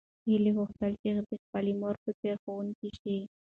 هیلې غوښتل چې د خپلې مور په څېر ښوونکې شي.